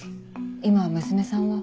今娘さんは？